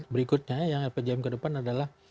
berikutnya yang rpjm ke depan adalah